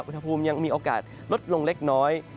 อุณหภูมิยังมีโอกาสลดลงเล็กน้อย